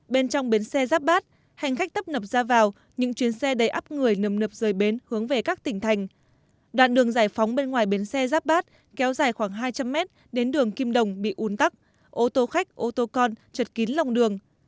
bên trong bến xe giáp bát hành khách tấp nập ra vào những chuyến xe đầy áp người nầm nập rời bến hướng về các tỉnh thành đoạn đường giải phóng bên ngoài bến xe giáp bát kéo dài khoảng hai trăm linh mét đến đường kim đồng bị un tắc ô tô khách ô tô con trượt kín lòng đường